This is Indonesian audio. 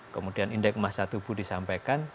kemudian indeks masa tubuh disampaikan